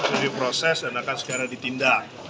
tangkap beri proses dan akan sekarang ditindak